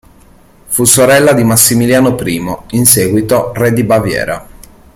Fu sorella di Massimiliano I, in seguito re di Baviera.